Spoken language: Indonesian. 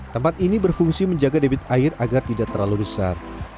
tempat ini berfungsi menjaga debit air agar tidak terlalu besar